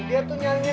dia tuh nyalnya gede